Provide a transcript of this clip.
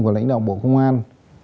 và lãnh đạo bộ công an